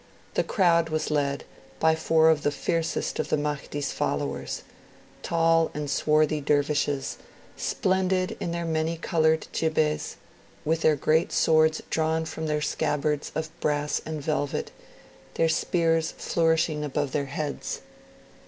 The crowd was led by four of the fiercest of the Mahdi's followers tall and swarthy Dervishes, splendid in their many coloured jibbehs, their great swords drawn from their scabbards of brass and velvet, their spears flourishing above their heads.